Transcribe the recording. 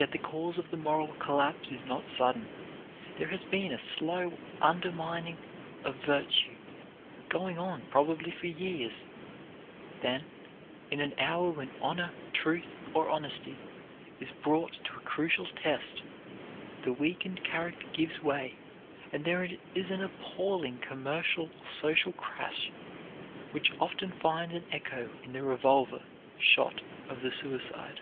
Yet the cause of the moral collapse is not sudden. There has been a slow undermining of virtue going on probably for years; then, in an hour when honor, truth, or honesty is brought to a crucial test, the weakened character gives way and there is an appalling commercial or social crash which often finds an echo in the revolver shot of the suicide.